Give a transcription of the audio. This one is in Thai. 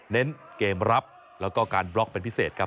เน้นเกมรับแล้วก็การบล็อกเป็นพิเศษครับ